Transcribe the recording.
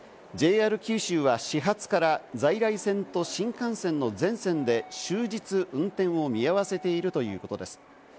ＪＲ九州は始発から在来線と新幹線の全線で終日運転を見合わせているということです。